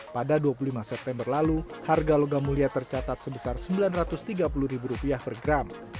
pada dua puluh lima september lalu harga logam mulia tercatat sebesar rp sembilan ratus tiga puluh per gram